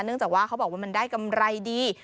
เนื่องจากว่าเพราะว่ามันได้กำไรดี